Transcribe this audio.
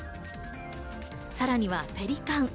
さらにはペリカン。